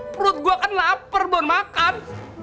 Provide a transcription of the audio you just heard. perut gua kan lapar mau makan